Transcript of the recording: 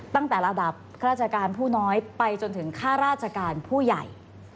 ตั้งแต่ระดับข้าราชการผู้น้อยไปจนถึงข้าราชการผู้ใหญ่